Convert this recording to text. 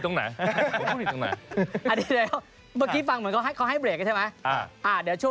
รอมานานอ่ะเนี่ยมันมันทำไมไม่พี่ไปพวกหนูพูด